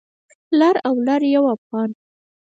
لر او لر یو افغان